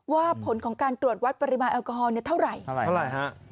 ว่าผลของการตรวจวัดปริมาณแอลกอฮอลเนี่ยเท่าไหร่เท่าไหร่ฮะ